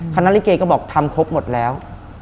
คณะลิเกก็บอกทำครบหมดแล้ว